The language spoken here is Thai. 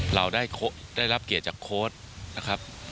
เราได้รับเกียรติจากโคสสต์